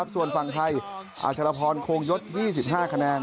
ส่วนฝั่งไทยอาชรพรโคงยศ๒๕คะแนน